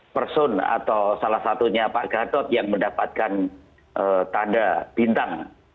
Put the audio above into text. person atau salah satunya pak gatot yang mendapatkan tanda bintang